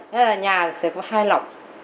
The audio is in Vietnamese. thế là nhà sẽ có hai lọc